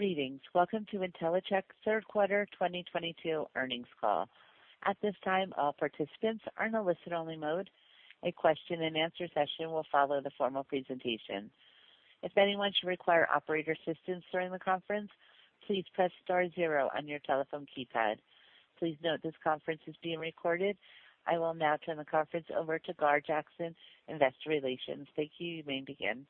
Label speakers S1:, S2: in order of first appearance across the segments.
S1: Greetings. Welcome to Intellicheck's Third Quarter 2022 Earnings Call. At this time, all participants are in a listen-only mode. A Q&A session will follow the formal presentation. If anyone should require operator assistance during the conference, please press star zero on your telephone keypad. Please note this conference is being recorded. I will now turn the conference over to Gar Jackson, Investor Relations. Thank you. You may begin.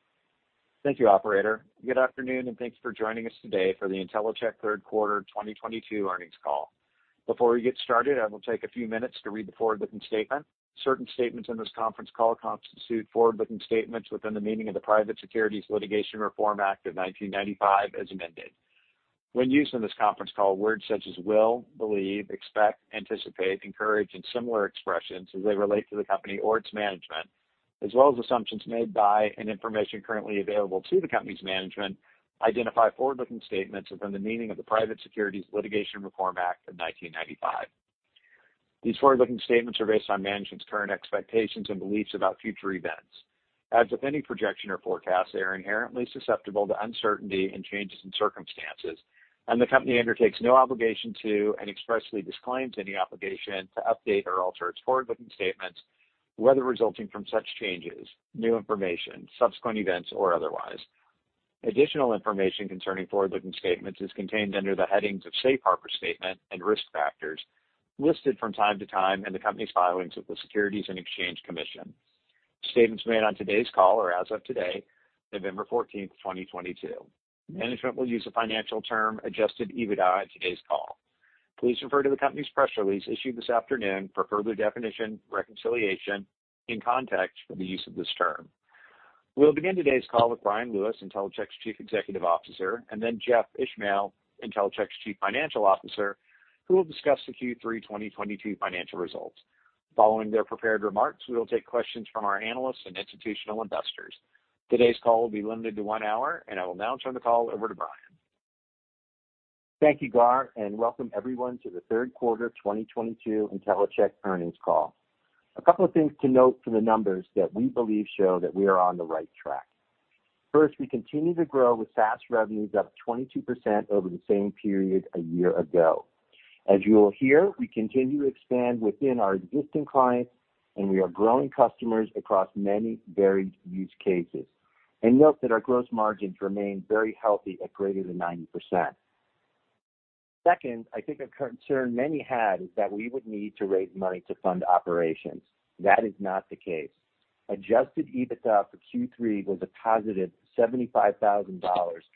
S2: Thank you, operator. Good afternoon, and thanks for joining us today for the Intellicheck third quarter 2022 earnings call. Before we get started, I will take a few minutes to read the forward-looking statement. Certain statements in this conference call constitute forward-looking statements within the meaning of the Private Securities Litigation Reform Act of 1995, as amended. When used in this conference call, words such as will, believe, expect, anticipate, encourage, and similar expressions as they relate to the company or its management, as well as assumptions made by and information currently available to the company's management, identify forward-looking statements within the meaning of the Private Securities Litigation Reform Act of 1995. These forward-looking statements are based on management's current expectations and beliefs about future events. As with any projection or forecast, they are inherently susceptible to uncertainty and changes in circumstances, and the company undertakes no obligation to, and expressly disclaims any obligation to update or alter its forward-looking statements, whether resulting from such changes, new information, subsequent events, or otherwise. Additional information concerning forward-looking statements is contained under the headings of Safe Harbor Statement and Risk Factors listed from time to time in the company's filings with the Securities and Exchange Commission. Statements made on today's call are as of today, November 14th, 2022. Management will use the financial term Adjusted EBITDA on today's call. Please refer to the company's press release issued this afternoon for further definition, reconciliation, and context for the use of this term. We'll begin today's call with Bryan Lewis, Intellicheck's Chief Executive Officer, and then Jeff Ishmael, Intellicheck's Chief Financial Officer, who will discuss the Q3 2022 financial results. Following their prepared remarks, we will take questions from our analysts and institutional investors. Today's call will be limited to one hour, and I will now turn the call over to Bryan.
S3: Thank you, Gar, and welcome everyone to the third quarter 2022 Intellicheck earnings call. A couple of things to note from the numbers that we believe show that we are on the right track. First, we continue to grow, with SaaS revenues up 22% over the same period a year ago. As you will hear, we continue to expand within our existing clients, and we are growing customers across many varied use cases. Note that our gross margins remain very healthy at greater than 90%. Second, I think a concern many heard is that we would need to raise money to fund operations. That is not the case. Adjusted EBITDA for Q3 was a positive $75,000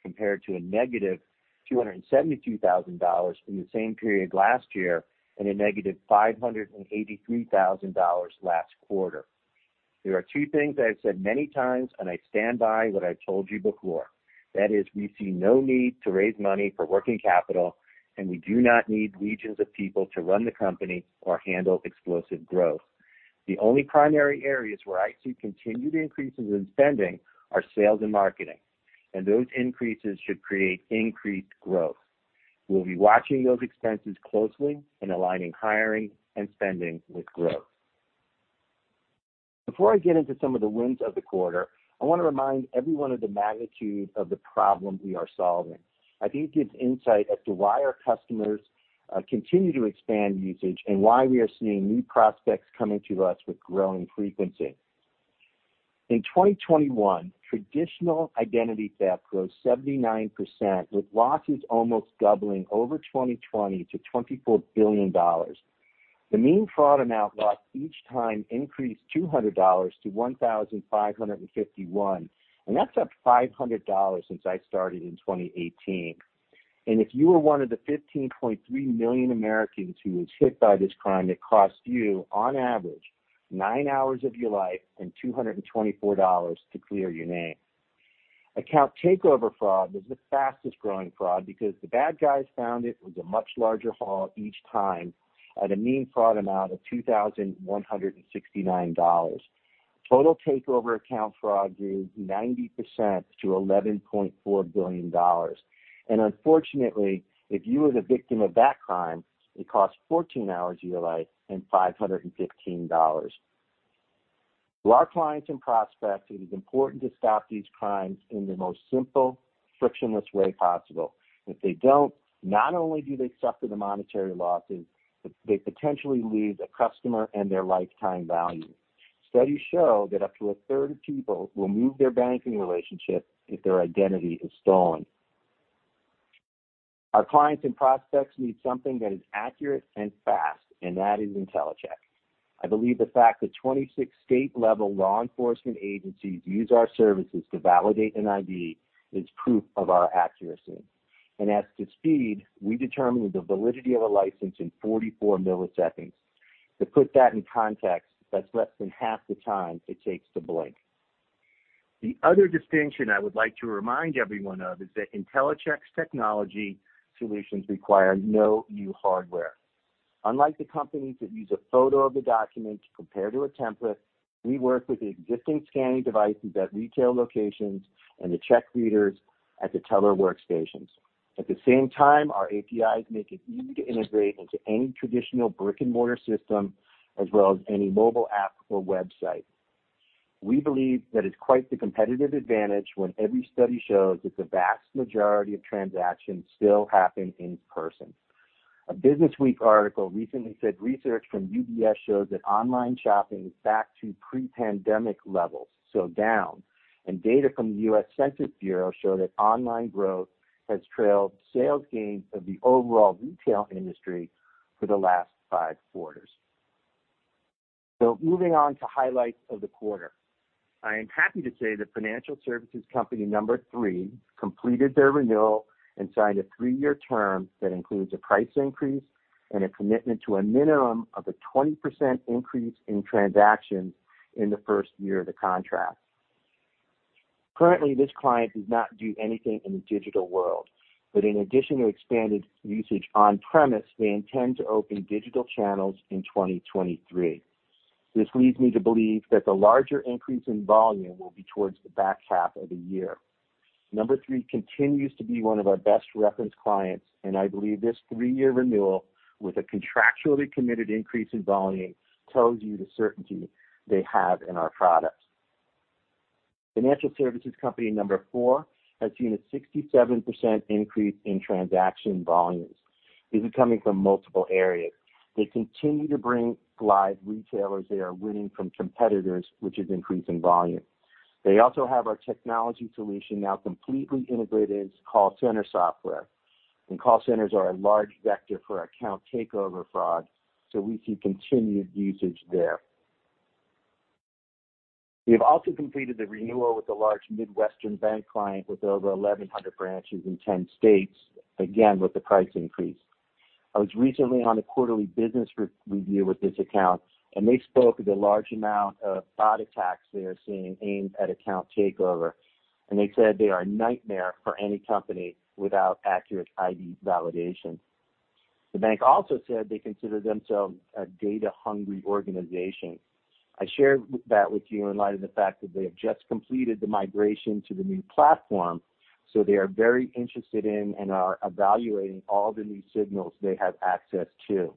S3: compared to a -$272,000 from the same period last year and a -$583,000 last quarter. There are two things that I've said many times, and I stand by what I told you before. That is, we see no need to raise money for working capital, and we do not need legions of people to run the company or handle explosive growth. The only primary areas where I see continued increases in spending are sales and marketing, and those increases should create increased growth. We'll be watching those expenses closely and aligning hiring and spending with growth. Before I get into some of the wins of the quarter, I want to remind everyone of the magnitude of the problem we are solving. I think it gives insight as to why our customers continue to expand usage and why we are seeing new prospects coming to us with growing frequency. In 2021, traditional identity theft grows 79%, with losses almost doubling over 2020 to $24 billion. The mean fraud amount lost each time increased $200-$1,551, and that's up $500 since I started in 2018. If you were one of the 15.3 million Americans who was hit by this crime, it cost you on average nine hours of your life and $224 to clear your name. Account takeover fraud was the fastest-growing fraud because the bad guys found it was a much larger haul each time at a mean fraud amount of $2,169. Total takeover account fraud grew 90% to $11.4 billion. Unfortunately, if you were the victim of that crime, it cost 14 hours of your life and $515. To our clients and prospects, it is important to stop these crimes in the most simple, frictionless way possible. If they don't, not only do they suffer the monetary losses, but they potentially lose a customer and their lifetime value. Studies show that up to a third of people will move their banking relationship if their identity is stolen. Our clients and prospects need something that is accurate and fast, and that is Intellicheck. I believe the fact that 26 state-level law enforcement agencies use our services to validate an ID is proof of our accuracy. As to speed, we determine the validity of a license in 44 milliseconds. To put that in context, that's less than half the time it takes to blink. The other distinction I would like to remind everyone of is that Intellicheck's technology solutions require no new hardware. Unlike the companies that use a photo of the document to compare to a template, we work with the existing scanning devices at retail locations and the check readers at the teller workstations. At the same time, our APIs make it easy to integrate into any traditional brick-and-mortar system as well as any mobile app or website. We believe that it's quite the competitive advantage when every study shows that the vast majority of transactions still happen in person. A BusinessWeek article recently said research from UBS shows that online shopping is back to pre-pandemic levels, so down. Data from the U.S. Census Bureau show that online growth has trailed sales gains of the overall retail industry for the last five quarters. Moving on to highlights of the quarter. I am happy to say that financial services company number three completed their renewal and signed a three-year term that includes a price increase and a commitment to a minimum of a 20% increase in transactions in the first year of the contract. Currently, this client does not do anything in the digital world, but in addition to expanded usage on-premise, they intend to open digital channels in 2023. This leads me to believe that the larger increase in volume will be towards the back half of the year. Number three continues to be one of our best reference clients, and I believe this three-year renewal with a contractually committed increase in volume tells you the certainty they have in our products. Financial services company number four has seen a 67% increase in transaction volumes. This is coming from multiple areas. They continue to bring live retailers they are winning from competitors, which is increasing volume. They also have our technology solution now completely integrated call center software, and call centers are a large vector for account takeover fraud, so we see continued usage there. We have also completed the renewal with a large Midwestern bank client with over 1,100 branches in 10 states, again, with the price increase. I was recently on a quarterly business review with this account, and they spoke of the large amount of bot attacks they are seeing aimed at account takeover, and they said they are a nightmare for any company without accurate ID validation. The bank also said they consider themselves a data-hungry organization. I shared that with you in light of the fact that they have just completed the migration to the new platform, so they are very interested in and are evaluating all the new signals they have access to.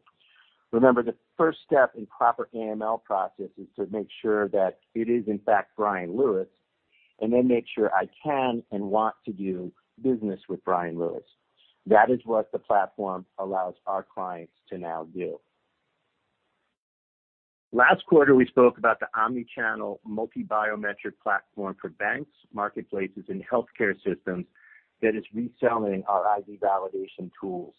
S3: Remember, the first step in proper AML process is to make sure that it is in fact Bryan Lewis, and then make sure I can and want to do business with Bryan Lewis. That is what the platform allows our clients to now do. Last quarter, we spoke about the omni-channel multi-biometric platform for banks, marketplaces, and healthcare systems that is reselling our ID validation tools.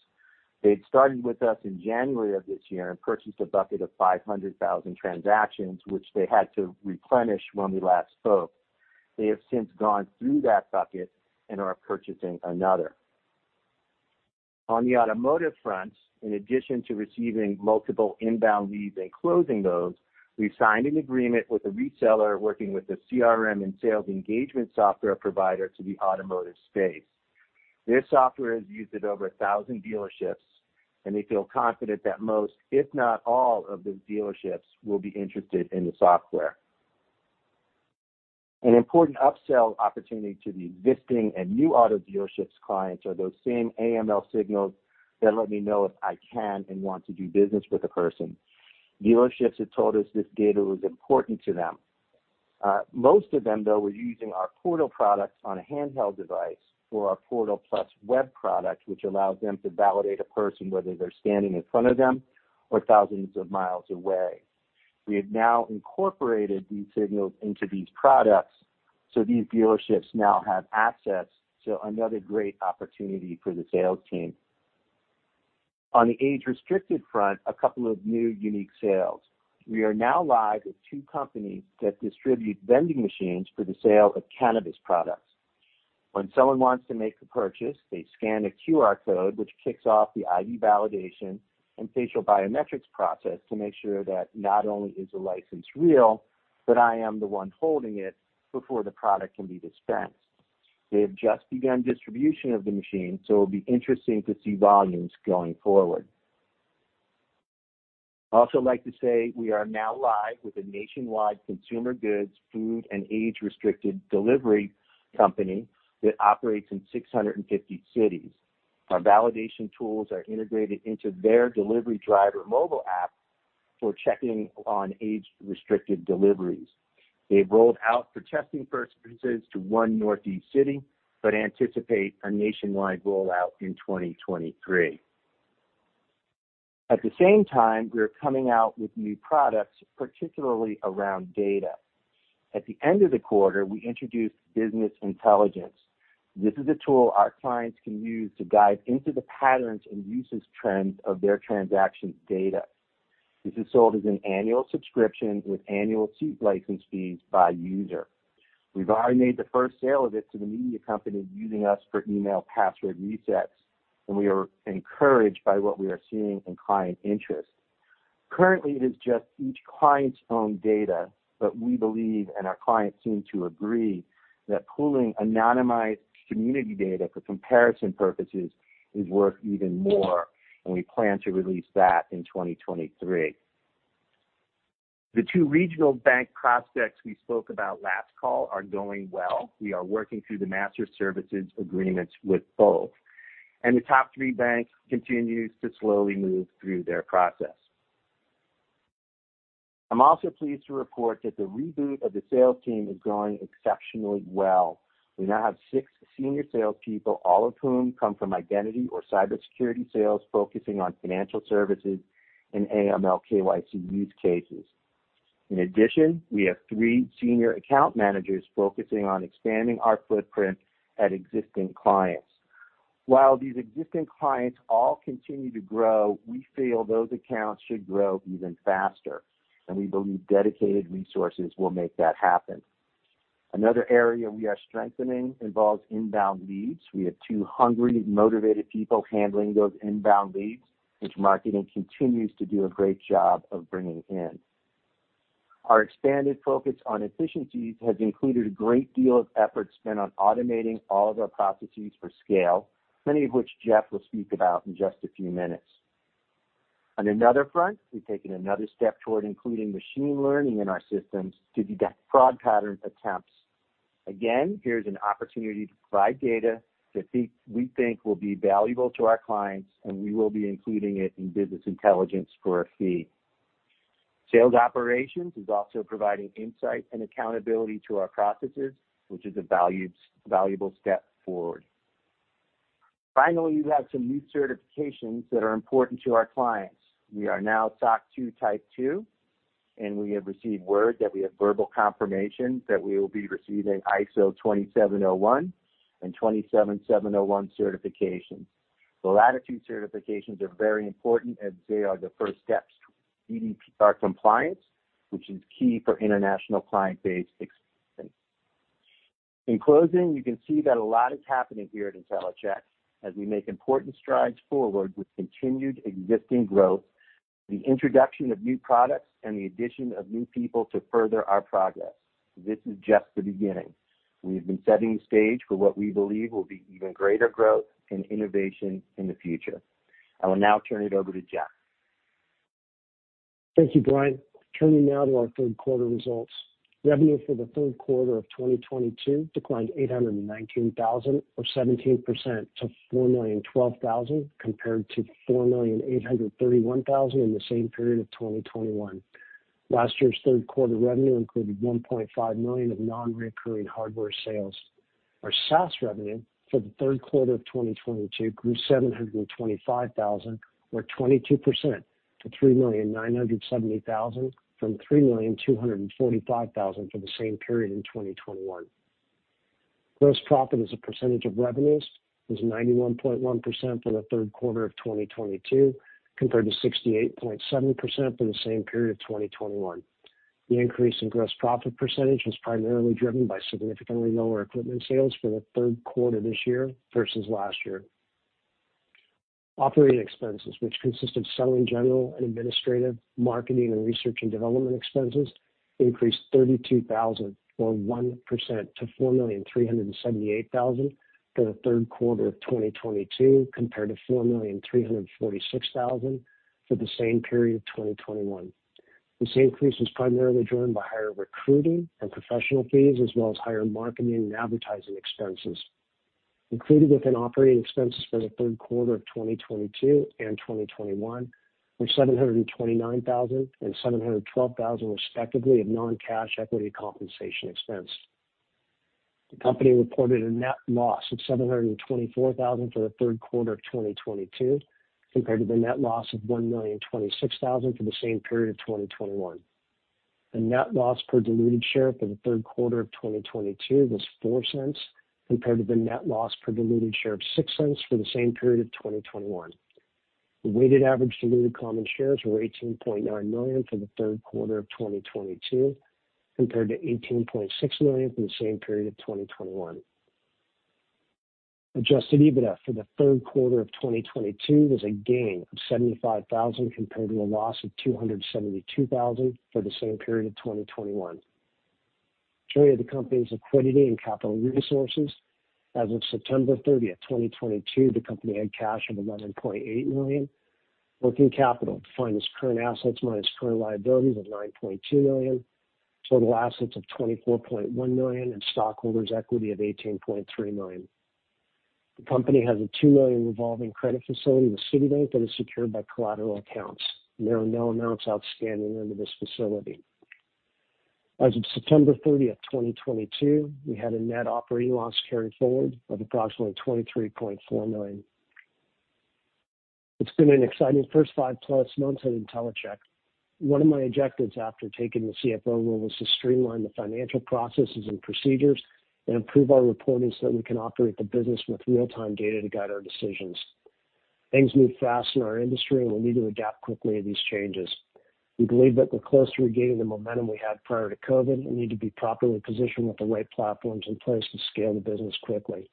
S3: They had started with us in January of this year and purchased a bucket of 500,000 transactions, which they had to replenish when we last spoke. They have since gone through that bucket and are purchasing another. On the automotive front, in addition to receiving multiple inbound leads and closing those, we've signed an agreement with a reseller working with a CRM and sales engagement software provider to the automotive space. This software is used at over 1,000 dealerships, and they feel confident that most, if not all, of those dealerships will be interested in the software. An important upsell opportunity to the existing and new auto dealerships clients are those same AML signals that let me know if I can and want to do business with a person. Dealerships had told us this data was important to them. Most of them, though, were using our portal products on a handheld device for our PortalPlus web product, which allows them to validate a person whether they're standing in front of them or thousands of miles away. We have now incorporated these signals into these products, so these dealerships now have access to another great opportunity for the sales team. On the age-restricted front, a couple of new unique sales. We are now live with two companies that distribute vending machines for the sale of cannabis products. When someone wants to make a purchase, they scan a QR code, which kicks off the ID validation and facial biometrics process to make sure that not only is the license real, but I am the one holding it before the product can be dispensed. They have just begun distribution of the machine, so it'll be interesting to see volumes going forward. I'd also like to say we are now live with a nationwide consumer goods, food, and age-restricted delivery company that operates in 650 cities. Our validation tools are integrated into their delivery driver mobile app for checking on age-restricted deliveries. They've rolled out for testing purposes to one Northeast city but anticipate a nationwide rollout in 2023. At the same time, we are coming out with new products, particularly around data. At the end of the quarter, we introduced business intelligence. This is a tool our clients can use to dive into the patterns and usage trends of their transactions data. This is sold as an annual subscription with annual seat license fees by user. We've already made the first sale of it to the media company using us for email password resets, and we are encouraged by what we are seeing in client interest. Currently, it is just each client's own data, but we believe, and our clients seem to agree, that pooling anonymized community data for comparison purposes is worth even more, and we plan to release that in 2023. The two regional bank prospects we spoke about last call are going well. We are working through the master services agreements with both. The top three banks continues to slowly move through their process. I'm also pleased to report that the reboot of the sales team is going exceptionally well. We now have six senior salespeople, all of whom come from identity or cybersecurity sales, focusing on financial services and AML/KYC use cases. In addition, we have three senior account managers focusing on expanding our footprint at existing clients. While these existing clients all continue to grow, we feel those accounts should grow even faster, and we believe dedicated resources will make that happen. Another area we are strengthening involves inbound leads. We have two hungry, motivated people handling those inbound leads, which marketing continues to do a great job of bringing in. Our expanded focus on efficiencies has included a great deal of effort spent on automating all of our processes for scale, many of which Jeff will speak about in just a few minutes. On another front, we've taken another step toward including machine learning in our systems to detect fraud pattern attempts. Again, here's an opportunity to provide data that we think will be valuable to our clients, and we will be including it in business intelligence for a fee. Sales operations is also providing insight and accountability to our processes, which is a valuable step forward. Finally, we have some new certifications that are important to our clients. We are now SOC 2 Type 2, and we have received word that we have verbal confirmation that we will be receiving ISO 27001 and 27701 certifications. The latter two certifications are very important as they are the first steps to meeting our compliance, which is key for international client base expansion. In closing, you can see that a lot is happening here at Intellicheck as we make important strides forward with continued existing growth, the introduction of new products, and the addition of new people to further our progress. This is just the beginning. We've been setting the stage for what we believe will be even greater growth and innovation in the future. I will now turn it over to Jeff.
S4: Thank you, Bryan. Turning now to our third quarter results. Revenue for the third quarter of 2022 declined $819,000, or 17% to $4,012,000, compared to $4,831,000 in the same period of 2021. Last year's third quarter revenue included $1.5 million of non-recurring hardware sales. Our SaaS revenue for the third quarter of 2022 grew $725,000, or 22% to $3,970,000 from $3,245,000 for the same period in 2021. Gross profit as a percentage of revenues was 91.1% for the third quarter of 2022, compared to 68.7% for the same period of 2021. The increase in gross profit percentage was primarily driven by significantly lower equipment sales for the third quarter this year versus last year. Operating expenses, which consist of selling, general and administrative, marketing, and research and development expenses, increased $32,000, or 1% to $4,378,000 for the third quarter of 2022, compared to $4,346,000 for the same period of 2021. This increase was primarily driven by higher recruiting and professional fees, as well as higher marketing and advertising expenses. Included within operating expenses for the third quarter of 2022 and 2021 were $729,000 and $712,000, respectively, of non-cash equity compensation expense. The company reported a net loss of $724,000 for the third quarter of 2022, compared to the net loss of $1,026,000 for the same period of 2021. The net loss per diluted share for the third quarter of 2022 was $0.04, compared to the net loss per diluted share of $0.06 for the same period of 2021. The weighted average diluted common shares were 18.9 million for the third quarter of 2022, compared to 18.6 million for the same period of 2021. Adjusted EBITDA for the third quarter of 2022 was a gain of $75,000, compared to a loss of $272,000 for the same period of 2021. Turning to the company's liquidity and capital resources. As of September 30th, 2022, the company had cash of $11.8 million. Working capital defined as current assets minus current liabilities of $9.2 million. Total assets of $24.1 million, and stockholders' equity of $18.3 million. The company has a $2 million revolving credit facility with Citibank that is secured by collateral accounts, and there are no amounts outstanding under this facility. As of September 30th, 2022, we had a net operating loss carried forward of approximately $23.4 million. It's been an exciting first 5+ months at Intellicheck. One of my objectives after taking the CFO role was to streamline the financial processes and procedures and improve our reporting so that we can operate the business with real-time data to guide our decisions. Things move fast in our industry, and we need to adapt quickly to these changes. We believe that we're closer to regaining the momentum we had prior to COVID and need to be properly positioned with the right platforms in place to scale the business quickly.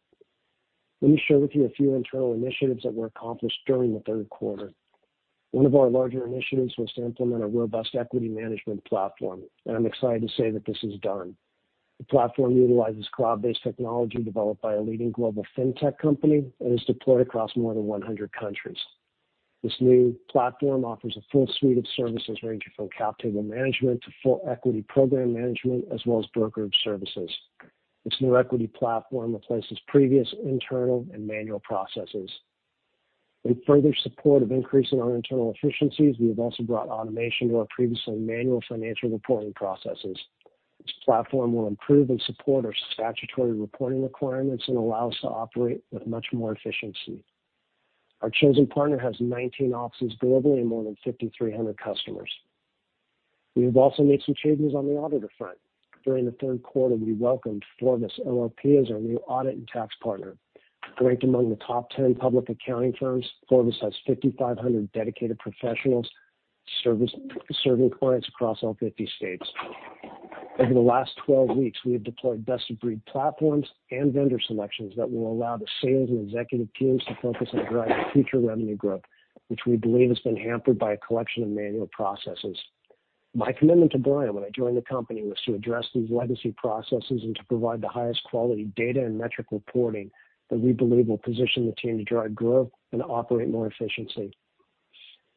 S4: Let me share with you a few internal initiatives that were accomplished during the third quarter. One of our larger initiatives was to implement a robust equity management platform, and I'm excited to say that this is done. The platform utilizes cloud-based technology developed by a leading global fintech company and is deployed across more than 100 countries. This new platform offers a full suite of services ranging from cap table management to full equity program management, as well as brokerage services. This new equity platform replaces previous internal and manual processes. In further support of increasing our internal efficiencies, we have also brought automation to our previously manual financial reporting processes. This platform will improve and support our statutory reporting requirements and allow us to operate with much more efficiency. Our chosen partner has 19 offices globally and more than 5,300 customers. We have also made some changes on the auditor front. During the third quarter, we welcomed FORVIS LLP as our new audit and tax partner. Ranked among the top 10 public accounting firms, FORVIS has 5,500 dedicated professionals serving clients across all 50 states. Over the last 12 weeks, we have deployed best-of-breed platforms and vendor selections that will allow the sales and executive teams to focus on driving future revenue growth, which we believe has been hampered by a collection of manual processes. My commitment to Bryan when I joined the company was to address these legacy processes and to provide the highest quality data and metric reporting that we believe will position the team to drive growth and operate more efficiently.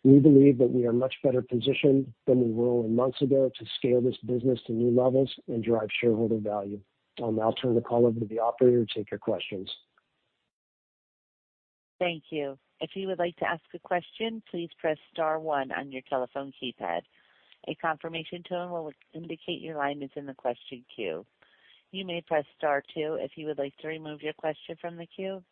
S4: We believe that we are much better positioned than we were months ago to scale this business to new levels and drive shareholder value. I'll now turn the call over to the operator to take your questions.
S1: Thank you. If you would like to ask a question, please press star one on your telephone keypad. A confirmation tone will indicate your line is in the question queue. You may press star two if you would like to remove your question from the queue.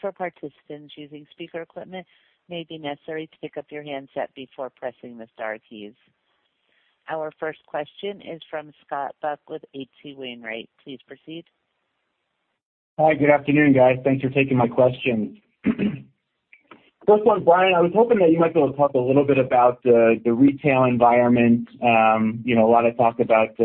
S1: For participants using speaker equipment, it may be necessary to pick up your handset before pressing the star keys. Our first question is from Scott Buck with H.C. Wainwright. Please proceed.
S5: Hi, good afternoon, guys. Thanks for taking my questions. First one, Bryan, I was hoping that you might be able to talk a little bit about the retail environment. You know, a lot of talk about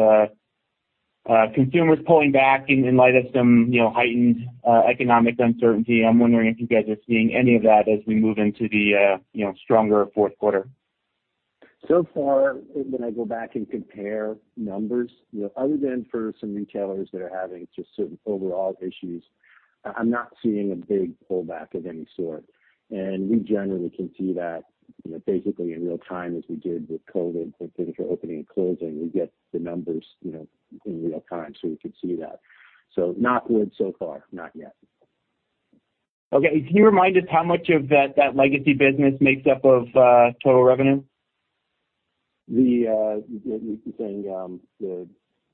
S5: consumers pulling back in light of some you know, heightened economic uncertainty. I'm wondering if you guys are seeing any of that as we move into the you know, stronger fourth quarter.
S3: So far, when I go back and compare numbers, other than for some retailers that are having just certain overall issues, I'm not seeing a big pullback of any sort. We generally can see that, you know, basically in real time, as we did with COVID, when things were opening and closing, we get the numbers, you know, in real time, so we could see that. Not good so far. Not yet.
S5: Okay. Can you remind us how much of that legacy business makes up of total revenue?
S3: You're saying the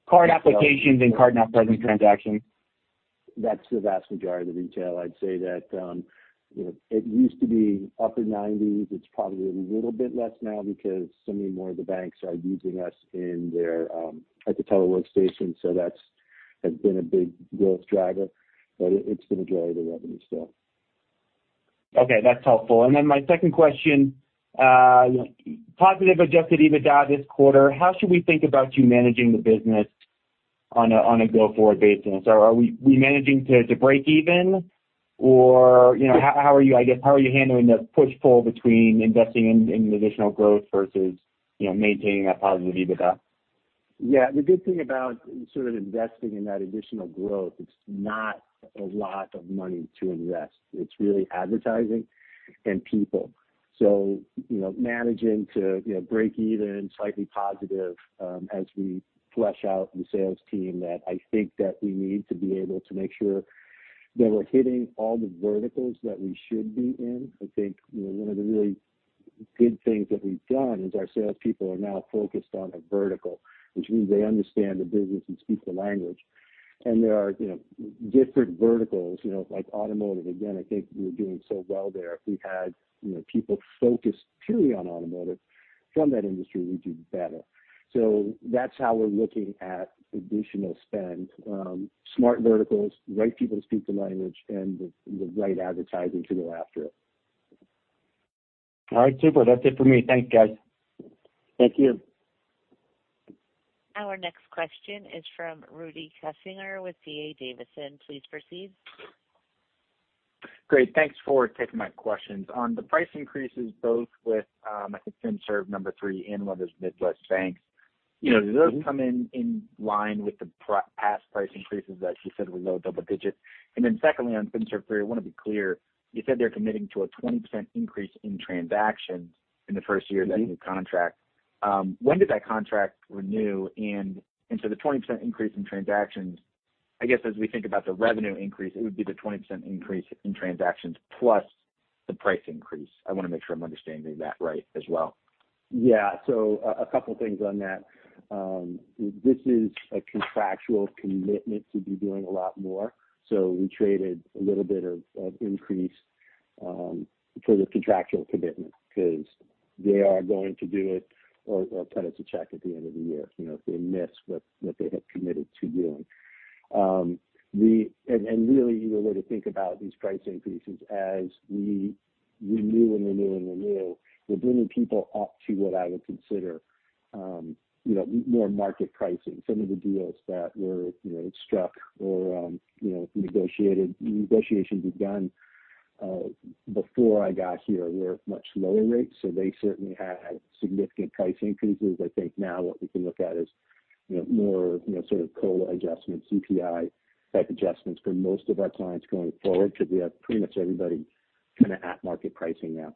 S5: Card applications and card-not-present transactions.
S3: That's the vast majority of the retail. I'd say that, you know, it used to be upper 90s%. It's probably a little bit less now because so many more of the banks are using us in their at the teller workstation. That's been a big growth driver, but it's been a driver of the revenue still.
S5: Okay, that's helpful. Then my second question, positive Adjusted EBITDA this quarter. How should we think about you managing the business on a go-forward basis? Are we managing to break even or, you know, how are you, I guess, how are you handling the push-pull between investing in additional growth versus, you know, maintaining a positive EBITDA?
S3: Yeah, the good thing about sort of investing in that additional growth, it's not a lot of money to invest. It's really advertising and people. You know, managing to, you know, break even, slightly positive, as we flesh out the sales team that I think that we need to be able to make sure that we're hitting all the verticals that we should be in. I think one of the really good things that we've done is our salespeople are now focused on a vertical, which means they understand the business and speak the language. There are, you know, different verticals, you know, like automotive. Again, I think we're doing so well there. If we had, you know, people focused purely on automotive from that industry, we'd do better. That's how we're looking at additional spend. Smart verticals, right people to speak the language and the right advertising to go after it.
S5: All right, super. That's it for me. Thank you, guys.
S3: Thank you.
S1: Our next question is from Rudy Kessinger with D.A. Davidson. Please proceed.
S6: Great. Thanks for taking my questions. On the price increases, both with, I think Financial Services Company #3 and one of those Midwest banks. You know, do those come in line with the past price increases that you said were low double digits? Secondly, on Financial Services Company #3, I want to be clear. You said they're committing to a 20% increase in transactions in the first year of that new contract. When did that contract renew? The 20% increase in transactions, I guess, as we think about the revenue increase, it would be the 20% increase in transactions plus the price increase. I want to make sure I'm understanding that right as well.
S3: Yeah. A couple of things on that. This is a contractual commitment to be doing a lot more. We traded a little bit of increase for the contractual commitment because they are going to do it or cut us a check at the end of the year, you know, if they miss what they have committed to doing. Really, you know, way to think about these price increases as we renew and renew and renew, we're bringing people up to what I would consider, you know, more market pricing. Some of the deals that were, you know, struck or negotiations were done before I got here were much lower rates, so they certainly had significant price increases. I think now what we can look at is, you know, more, you know, sort of COLA adjustments, CPI-type adjustments for most of our clients going forward because we have pretty much everybody kind of at market pricing now.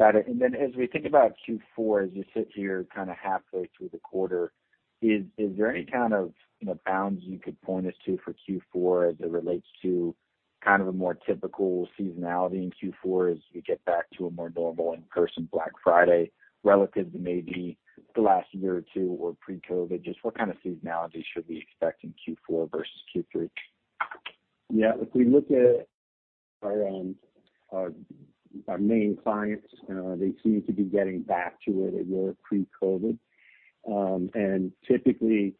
S6: Got it. As we think about Q4, as you sit here kind of halfway through the quarter, is there any kind of, you know, bounds you could point us to for Q4 as it relates to kind of a more typical seasonality in Q4 as we get back to a more normal in-person Black Friday relative to maybe the last year or two or pre-COVID? Just what kind of seasonality should we expect in Q4 versus Q3?
S3: Yeah. If we look at our main clients, they seem to be getting back to where they were pre-COVID. Typically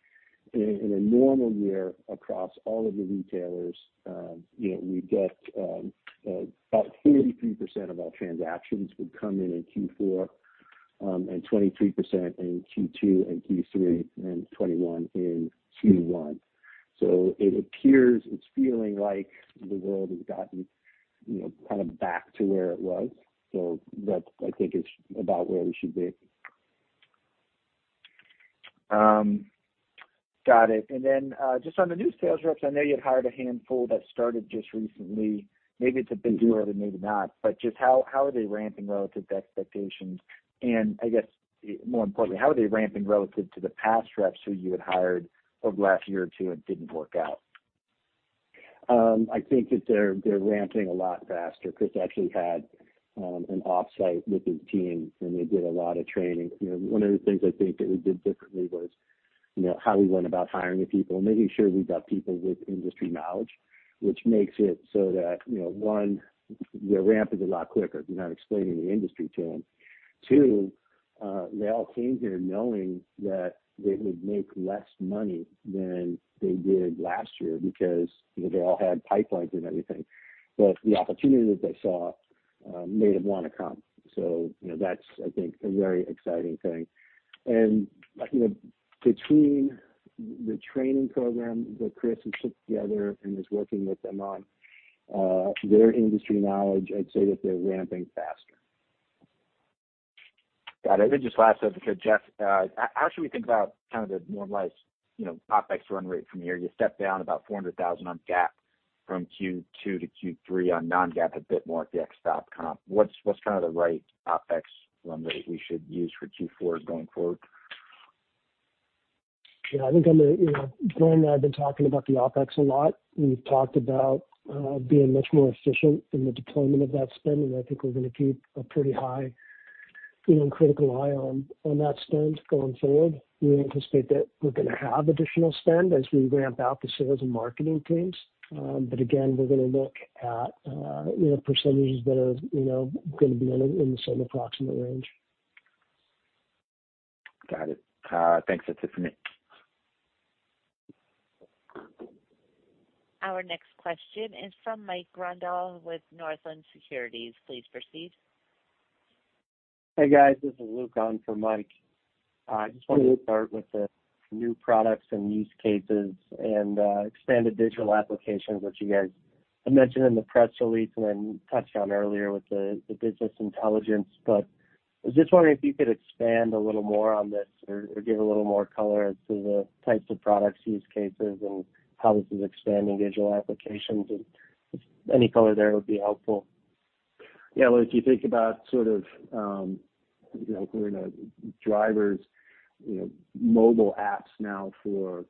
S3: in a normal year across all of the retailers, you know, we'd get about 33% of our transactions would come in in Q4, and 23% in Q2 and Q3, and 21% in Q1. It appears it's feeling like the world has gotten, you know, kind of back to where it was. That I think is about where we should be.
S6: Got it. Just on the new sales reps, I know you had hired a handful that started just recently. Maybe it's a big deal or maybe not, but just how are they ramping relative to expectations? I guess more importantly, how are they ramping relative to the past reps who you had hired over the last year or two and didn't work out?
S3: I think that they're ramping a lot faster. Chris actually had an offsite with his team, and they did a lot of training. You know, one of the things I think that we did differently was, you know, how we went about hiring the people and making sure we got people with industry knowledge, which makes it so that, you know, one, their ramp is a lot quicker because you're not explaining the industry to them. Two, they all came here knowing that they would make less money than they did last year because, you know, they all had pipelines and everything. But the opportunity that they saw made them want to come. You know, that's, I think, a very exciting thing. You know, between the training program that Chris has put together and is working with them on, their industry knowledge, I'd say that they're ramping faster.
S6: Got it. Maybe just last up here, Jeff, how should we think about kind of the normalized, you know, OpEx run rate from here? You stepped down about $400,000 on GAAP from Q2 to Q3, on non-GAAP, a bit more at the ex-stock comp. What's kind of the right OpEx run rate we should use for Q4 going forward?
S4: Yeah, I think. You know, Bryan and I have been talking about the OpEx a lot. We've talked about being much more efficient in the deployment of that spend, and I think we're gonna keep a pretty high, you know, critical eye on that spend going forward. We anticipate that we're gonna have additional spend as we ramp out the sales and marketing teams. Again, we're gonna look at, you know, percentages that are, you know, gonna be in the same approximate range.
S6: Got it. Thanks. That's it for me.
S1: Our next question is from Mike Grondahl with Northland Capital Markets. Please proceed.
S7: Hey, guys. This is Luke on for Mike. Just wanted to start with the new products and use cases and expanded digital applications, which you guys had mentioned in the press release and touched on earlier with the business intelligence. I was just wondering if you could expand a little more on this or give a little more color as to the types of products, use cases, and how this is expanding digital applications. Just any color there would be helpful.
S3: Yeah. Luke, you think about sort of, you know, we're in a driver's, you know, mobile apps now for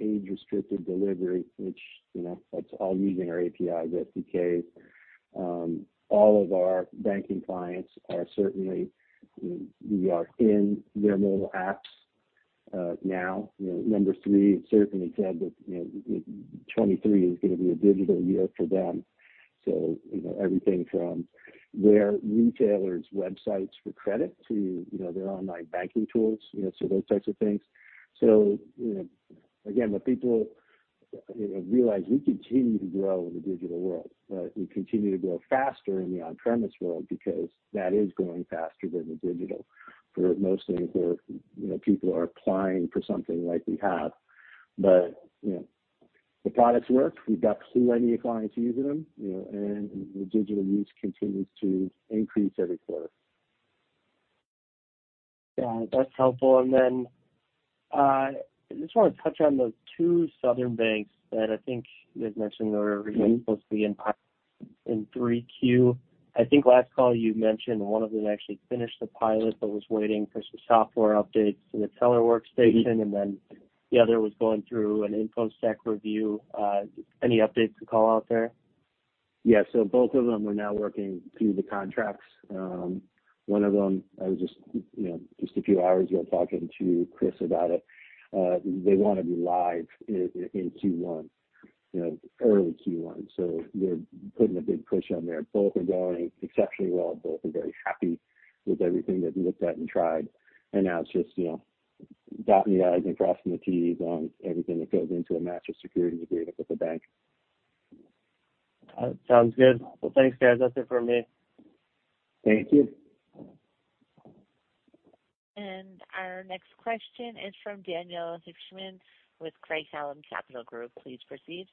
S3: age-restricted delivery, which, you know, that's all using our APIs, SDKs. All of our banking clients are certainly, you know, we are in their mobile apps, now. You know, number three certainly said that, you know, 2023 is gonna be a digital year for them. You know, everything from their retailers' websites for credit to, you know, their online banking tools, you know, so those types of things. You know, again, what people, you know, realize, we continue to grow in the digital world, but we continue to grow faster in the on-premise world because that is growing faster than the digital for mostly, you know, people are applying for something like we have. You know, the products work. We've got plenty of clients using them, you know, and the digital use continues to increase every quarter.
S7: Yeah, that's helpful. I just wanna touch on those two southern banks that I think you had mentioned that are supposed to be in Q3. I think last call you mentioned one of them actually finished the pilot but was waiting for some software updates to the teller workstation, and then the other was going through an InfoSec review. Any updates to call out there?
S3: Yeah. Both of them are now working through the contracts. One of them, I was just, you know, just a few hours ago talking to Chris about it. They wanna be live in Q1, you know, early Q1. We're putting a big push on there. Both are going exceptionally well. Both are very happy with everything they've looked at and tried. Now it's just, you know, dotting the I's and crossing the T's on everything that goes into a master security agreement with the bank.
S7: Sounds good. Well, thanks, guys. That's it for me.
S3: Thank you.
S1: Our next question is from Daniel Long with Craig-Hallum Capital Group. Please proceed.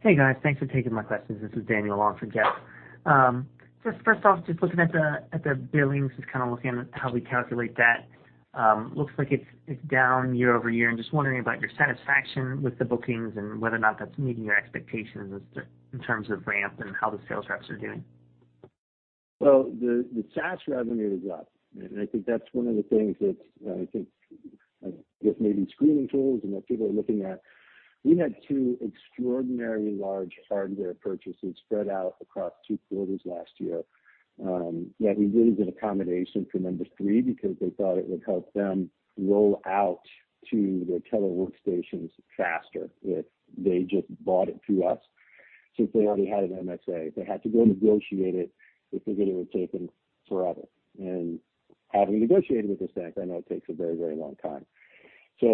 S8: Hey guys, thanks for taking my questions. This is Daniel Long on for Jeff Van. Just first off, just looking at the billings, kinda looking at how we calculate that. Looks like it's down YoY, wondering about your satisfaction with the bookings and whether or not that's meeting your expectations in terms of ramp and how the sales reps are doing.
S3: Well, the SaaS revenue is up, and I think that's one of the things that I think, I guess maybe screening tools and that people are looking at. We had two extraordinarily large hardware purchases spread out across two quarters last year that we really did accommodate for number three because they thought it would help them roll out to their teller workstations faster if they just bought it through us. Since they already had an MSA, if they had to go negotiate it, we figured it would take them forever. Having negotiated with the state, I know it takes a very, very long time.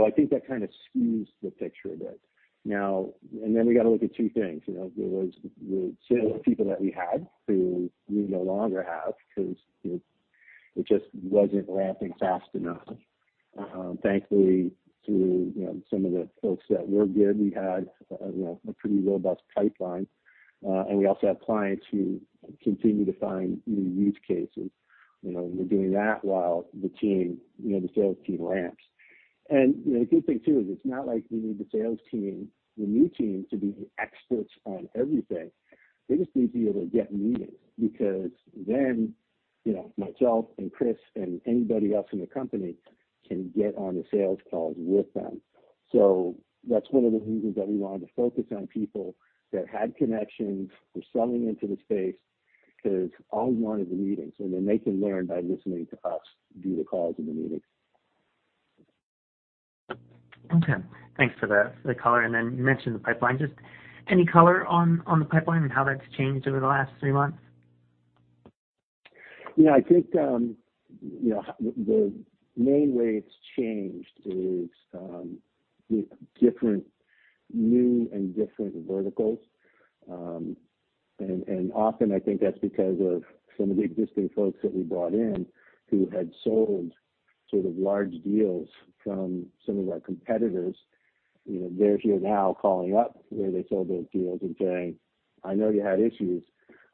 S3: I think that kinda skews the picture a bit. Now we gotta look at two things, you know. There was the sales people that we had who we no longer have because it just wasn't ramping fast enough. Thankfully, through some of the folks that were good, you know, we had a pretty robust pipeline. We also have clients who continue to find new use cases. You know, we're doing that while the team, you know, the sales team ramps. The good thing too is it's not like we need the sales team, the new team to be experts on everything. They just need to be able to get meetings because then, you know, myself and Chris and anybody else in the company can get on the sales calls with them. That's one of the reasons that we wanted to focus on people that had connections for selling into the space, 'cause all we want is the meetings, and then they can learn by listening to us do the calls and the meetings.
S8: Okay. Thanks for the color. You mentioned the pipeline. Just any color on the pipeline and how that's changed over the last three months?
S3: Yeah, I think, you know, the main way it's changed is the different, new and different verticals. Often I think that's because of some of the existing folks that we brought in who had sold sort of large deals from some of our competitors. You know, they're here now calling up where they sold those deals and saying, "I know you had issues.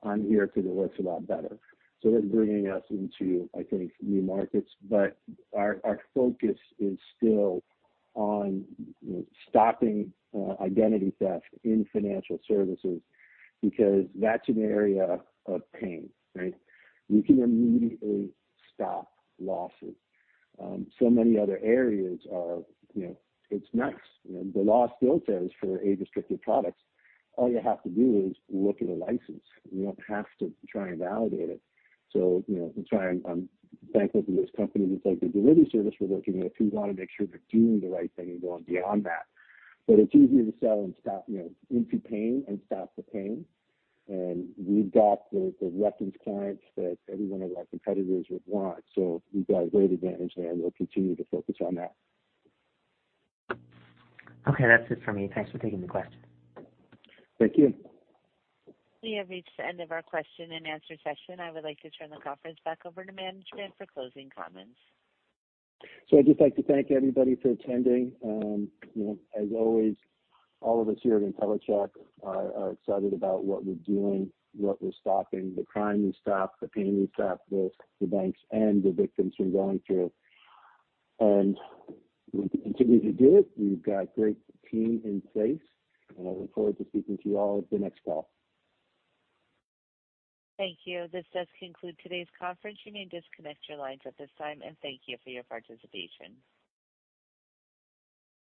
S3: I'm here because it works a lot better." So they're bringing us into, I think, new markets. But our focus is still on stopping identity theft in financial services because that's an area of pain, right? We can immediately stop losses. Many other areas are, you know, it's nice. You know, the law still says for age-restricted products, all you have to do is look at a license. You don't have to try and validate it. You know, we try and bank with these companies. It's like the delivery service we're working with who wanna make sure they're doing the right thing and going beyond that. It's easier to sell into pain and stop the pain. You know, we've got the reference clients that every one of our competitors would want. We've got a great advantage there, and we'll continue to focus on that.
S8: Okay, that's it for me. Thanks for taking the question.
S3: Thank you.
S1: We have reached the end of our Q&A. I would like to turn the conference back over to management for closing comments.
S3: I'd just like to thank everybody for attending. You know, as always, all of us here at Intellicheck are excited about what we're doing, what we're stopping, the crime we stop, the pain we stop, the banks and the victims from going through. We continue to do it. We've got great team in place, and I look forward to speaking to you all at the next call.
S1: Thank you. This does conclude today's conference. You may disconnect your lines at this time, and thank you for your participation.